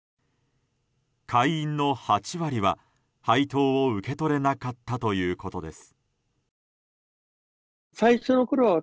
会員の８割は配当を受け取れなかったということです。